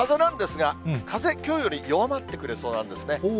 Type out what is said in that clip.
その風なんですが、風、きょうより弱まってくれそうなんですね。